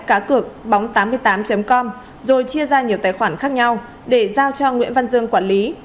cácượcbóng tám mươi tám com rồi chia ra nhiều tài khoản khác nhau để giao cho nguyễn văn dương quản lý